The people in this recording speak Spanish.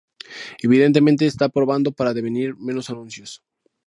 Evidentemente está probando para devenir menos anuncio.